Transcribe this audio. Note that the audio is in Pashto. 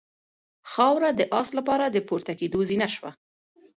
خاوره د آس لپاره د پورته کېدو زینه شوه.